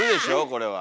これは。